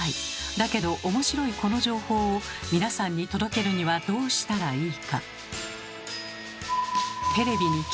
だけど面白いこの情報を皆さんに届けるにはどうしたらいいか。